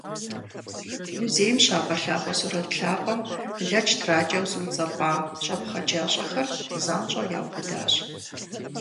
Музейм щагъэлъагъуэ сурэт лъапӏэм лэч тракӏэу зыуцӏэпӏа щӏэпхъэджащӏэхэр занщӏэу яубыдащ.